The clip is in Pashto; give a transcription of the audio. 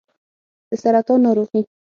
د سرطان ناروغي